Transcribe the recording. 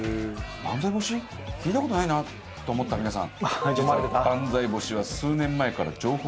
聞いた事ないなと思った皆さん。